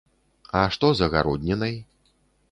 А што з агароднінай?